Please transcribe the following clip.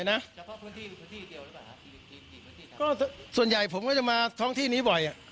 เฉพาะพื้นที่หรือพื้นที่เดียวหรือเปล่าฮะก็ส่วนใหญ่ผมก็จะมาท้องที่นี้บ่อยอ่ะ